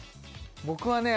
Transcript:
僕はね